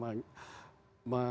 menggagas tentang dewan kerukuhan